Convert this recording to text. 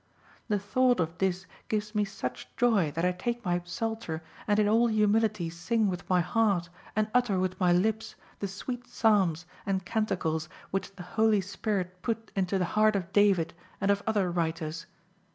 "The thought of this gives me such joy that I take my Psalter and in all humility sing with my heart and utter with my lips the sweet psalms and canticles which the Holy Spirit put into the heart of David and of other writers.